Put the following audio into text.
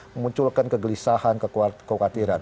memunculkan kegelisahan kekhawatiran